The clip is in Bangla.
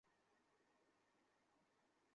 আমি এই জিজ্ঞাসাবাদ করার অনুমতি দিচ্ছি না!